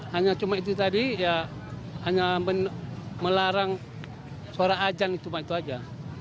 hanya cuma itu tadi ya hanya melarang suara ajan cuma itu aja